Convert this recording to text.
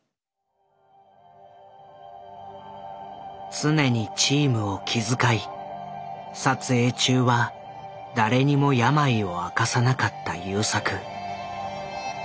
常にチームを気遣い撮影中は誰にも病を明かさなかった優作。